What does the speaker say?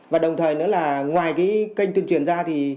và đồng thời nữa là ngoài cái kênh tuyên truyền ra thì